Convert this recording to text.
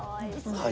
はい。